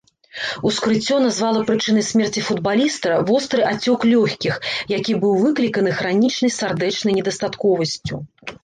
Ускрыццё назвала прычынай смерці футбаліста востры ацёк лёгкіх, які быў выкліканы хранічнай сардэчнай недастатковасцю.